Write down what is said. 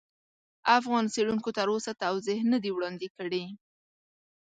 افغان څېړونکو تر اوسه توضیح نه دي وړاندې کړي.